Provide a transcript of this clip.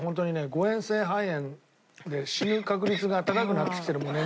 誤嚥性肺炎で死ぬ確率が高くなってきてる年代だからね。